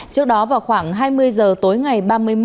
trước đó vào khoảng hai mươi giờ tối ngày ba mươi